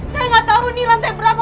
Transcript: saya gak tau nih lantai berapa